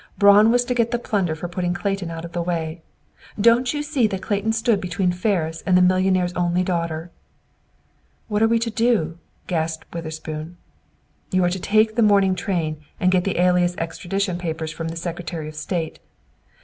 Braun was to get the plunder for putting Clayton out of the way. Don't you see that Clayton stood between Ferris and the millionaire's only daughter!" "What are we to do?" gasped Witherspoon. "You are to take the morning train and get the alias extradition papers from the Secretary of State.